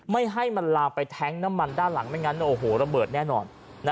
ไม่ให้มันลามไปแท้งน้ำมันด้านหลังไม่งั้นโอ้โหระเบิดแน่นอน